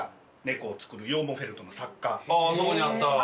あああそこにあった。